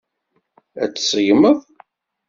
Ad t-tseggmeḍ?